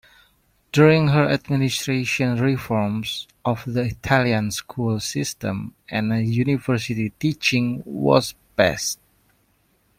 During her administration reforms of the Italian school system and university teaching was passed.